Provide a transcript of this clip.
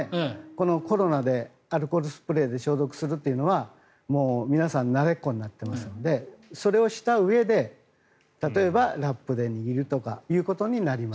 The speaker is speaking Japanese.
このコロナでアルコールスプレーで消毒するというのは皆さん慣れっこになっていますのでそれをしたうえで例えばラップで握るとかということになります。